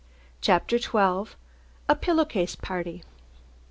CHAPTER XII. A PILLOW CASE PARTY.